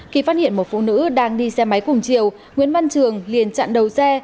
khi phát hiện một phụ nữ đang đi xe máy cùng chiều nguyễn văn trường liền chặn đầu xe